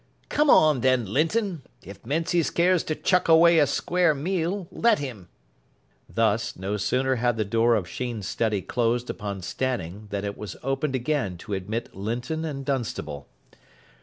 "Come on, then, Linton. If Menzies cares to chuck away a square meal, let him." Thus, no sooner had the door of Sheen's study closed upon Stanning than it was opened again to admit Linton and Dunstable.